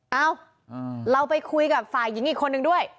เอ้าเราไปคุยกับฝ่ายหญิงอีกคนนึงด้วย